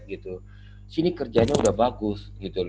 di sini kerjanya udah bagus